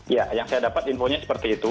ya yang saya dapat infonya seperti itu